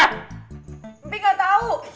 tapi gak tau